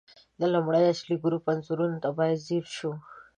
د لومړي اصلي ګروپ عنصرونو ته باید ځیر شو.